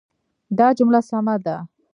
دا جمله سمه ده.